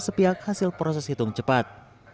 sepihak hasil proses hitung cepat